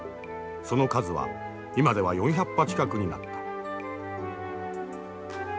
その数は今では４００羽近くになった。